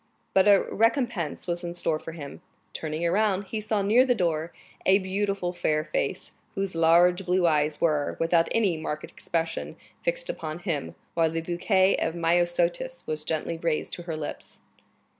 But a recompense was in store for him; turning around, he saw near the door a beautiful fair face, whose large blue eyes were, without any marked expression, fixed upon him, while the bouquet of myosotis was gently raised to her lips.